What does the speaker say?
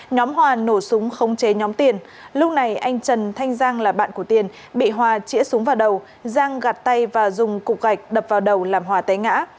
nhóm hòa nổ súng khống chế nhóm tiền lúc này anh trần thanh giang là bạn của tiền bị hòa chĩa súng vào đầu giang gạt tay và dùng cục gạch đập vào đầu làm hòa té ngã